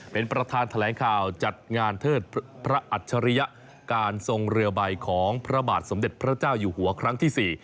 เป็นประธานแถลงข่าวจัดงานเทิดพระอัจฉริยะการทรงเรือใบของพระบาทสมเด็จพระเจ้าอยู่หัวครั้งที่๔